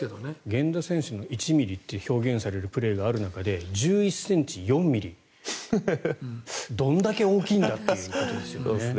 源田選手の１ｍｍと表現されるプレーがある中で１１ｃｍ４ｍｍどんだけ大きいんだということですよね。